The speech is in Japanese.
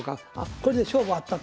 これで勝負あったと。